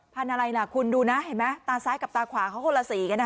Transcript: อะไรล่ะคุณดูนะเห็นไหมตาซ้ายกับตาขวาเขาคนละสีกัน